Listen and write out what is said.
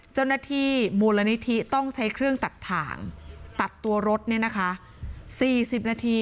เจ้าหน้าที่มูลนิธิต้องใช้เครื่องตัดถ่างตัดตัวรถ๔๐นาที